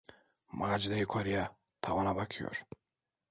Macide yukarıya, tavana bakıyor.